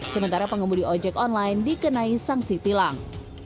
sementara pengemudi ojek online dikenai sanksi tilang